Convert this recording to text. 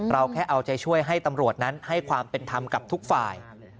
แค่เอาใจช่วยให้ตำรวจนั้นให้ความเป็นธรรมกับทุกฝ่าย